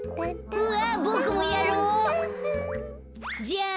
うわボクもやろう。じゃん！